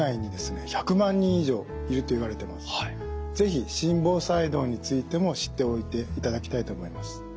是非心房細動についても知っておいていただきたいと思います。